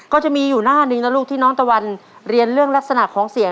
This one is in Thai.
ก็จะมีอยู่หน้าหนึ่งนะลูกที่น้องตะวันเรียนเรื่องลักษณะของเสียง